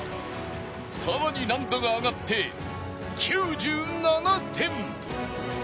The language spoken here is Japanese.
さらに難度が上がって９７点